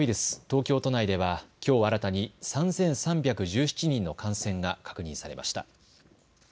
東京都内ではきょう新たに３３１７人の感染が確認されました。